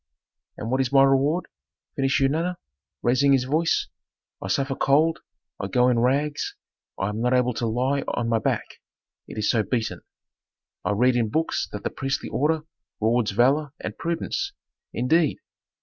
"And what is my reward?" finished Eunana, raising his voice; "I suffer cold, I go in rags, I am not able to lie on my back, it is so beaten. I read in books that the priestly order rewards valor and prudence. Indeed!